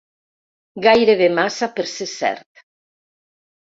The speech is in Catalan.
Gairebé massa per ser cert.